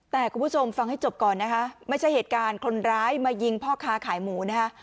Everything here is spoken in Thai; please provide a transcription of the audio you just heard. แต่คุณผู้ชมฟังให้จบก่อนนะคะไม่ใช่เหตุการณ์คนร้ายมายิงพ่อค้าขายหมูนะคะ